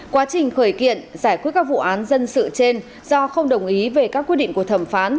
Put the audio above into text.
quá trình khởi kiện giải quyết các vụ án dân sự trên do không đồng ý về các quyết định của thẩm phán